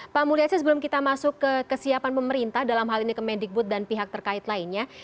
pak mulyasin sebelum kita masuk ke kesiapan pemerintah dalam hal ini kemendikbud dan pihak terkait lainnya